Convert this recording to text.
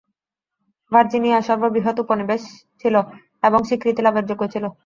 Virginia সর্ববৃহৎ উপনিবেশ ছিল এবং স্বীকৃতি লাভের যোগ্য ছিল।